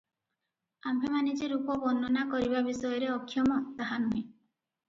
ଆମ୍ଭେମାନେ ଯେ ରୂପ ବର୍ଣ୍ଣନା କରିବା ବିଷୟରେ ଅକ୍ଷମ, ତାହା ନୁହେଁ ।